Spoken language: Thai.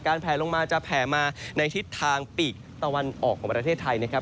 แผลลงมาจะแผ่มาในทิศทางปีกตะวันออกของประเทศไทยนะครับ